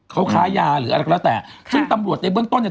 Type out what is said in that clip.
เขาค้ายาหรืออะไรก็แล้วแต่ซึ่งตำรวจในเบื้องต้นเนี่ย